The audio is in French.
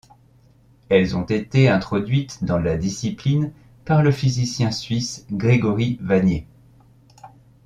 Elles ont été introduites dans la discipline par le physicien suisse Gregory Wannier.